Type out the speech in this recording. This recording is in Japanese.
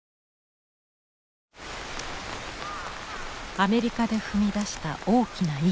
アメリカで踏み出した大きな一歩。